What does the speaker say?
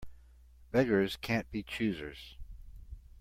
Beggars can't be choosers.